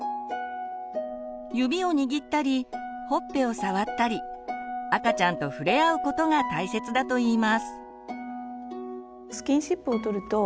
指を握ったりほっぺを触ったり赤ちゃんと触れ合うことが大切だといいます。